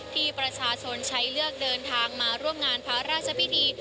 ที่ประชาชนใช้เลือกเดินทางมาร่วมงานพระราชพิธี